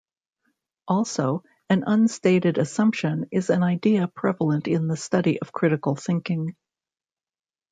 Also, an unstated assumption is an idea prevalent in the study of critical thinking.